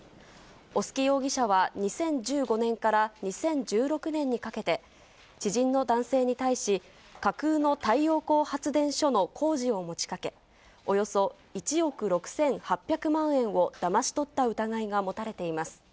小薄容疑者は２０１５年から２０１６年にかけて、知人の男性に対し、架空の太陽光発電所の工事を持ちかけ、およそ１億６８００万円をだまし取った疑いが持たれています。